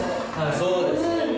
そうですね。